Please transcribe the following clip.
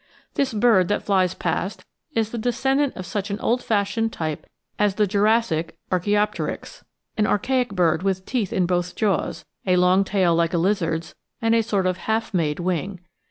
This bird that flies past is the descendant of such an old fashioned type as the Jurassic Archaeopteryx — an archaic bird with teeth in both jaws, a long tail like a lizard's, and a sort of half made wing.